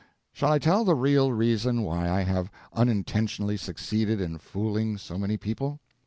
Shall I tell the real reason why I have unintentionally succeeded in fooling so many people?